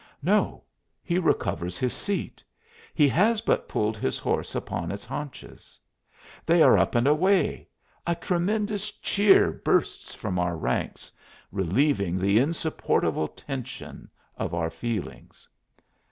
No, he recovers his seat; he has but pulled his horse upon its haunches. They are up and away! A tremendous cheer bursts from our ranks, relieving the insupportable tension of our feelings.